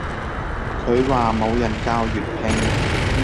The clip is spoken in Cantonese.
佢話冇人教粵拼